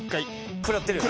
食らってるよね。